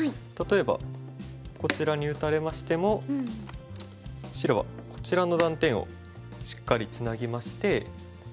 例えばこちらに打たれましても白はこちらの断点をしっかりツナぎまして。